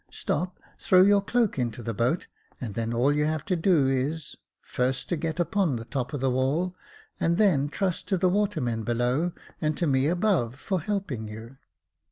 Stop, throw your cloak into the boat, and then all you have to do is, first to get upon the top of the wall, and then trust to the watermen below and to me above for helping you."